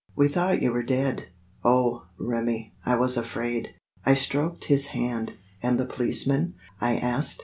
We thought you were dead. Oh, Remi, I was afraid." I stroked his hand. "And the policeman?" I asked.